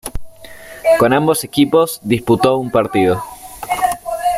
Con ambos equipos disputó un partido.